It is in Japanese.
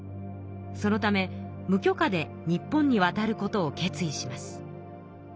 そのため無許可で日本に渡ることを決意します。